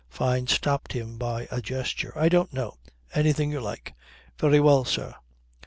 " Fyne stopped him by a gesture. "I don't know ... Anything you like." "Very well, sir."